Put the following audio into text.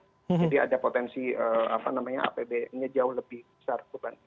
jadi ada potensi apbn nya jauh lebih besar